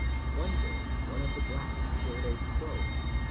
"One day one of the blacks killed a crow.